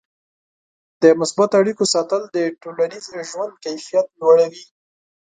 د مثبتو اړیکو ساتل د ټولنیز ژوند کیفیت لوړوي.